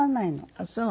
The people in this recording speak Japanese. ああそう。